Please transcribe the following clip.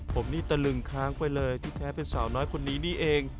ผมนี่ตะลึงค้างไปเลยที่แท้เป็นสาวน้อยคนนี้นี่เอง